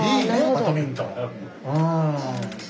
バドミントンうん。